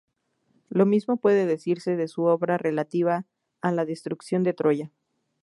Lo mismo puede decirse de su obra relativa a la destrucción de Troya.